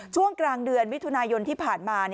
ช่วงกลางเดือนมิถุนายนที่ผ่านมา